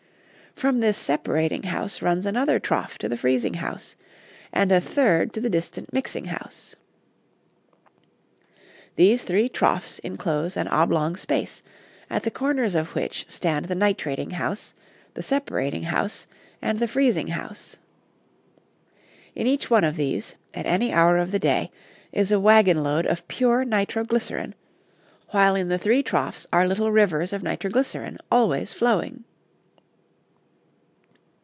From this separating house runs another trough to the freezing house, and a third to the distant mixing house. These three troughs inclose an oblong space, at the corners of which stand the nitrating house, the separating house, and the freezing house. In each one of these, at any hour of the day, is a wagon load of pure nitroglycerin, while in the three troughs are little rivers of nitroglycerin always flowing.